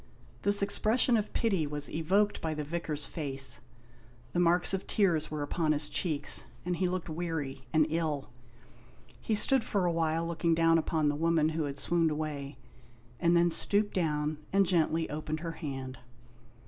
This expression of pity was evoked by the Vicar's face. The marks of tears were upon his cheeks, and he looked weary and ill. He stood for a while looking down upon the woman who had swooned away, and then stooped down, and gently opened her hand.